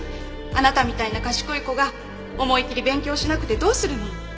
あなたみたいな賢い子が思いっきり勉強しなくてどうするの。